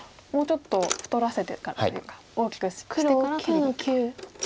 もうちょっと太らせてからというか大きくしてから取りにいくと。